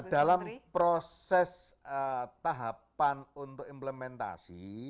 dalam proses tahapan untuk implementasi